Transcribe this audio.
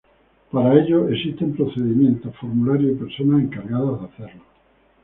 Para ello existen procedimientos, formularios y personas encargadas de hacerlo.